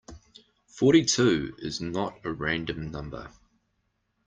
Forty-two is not a random number.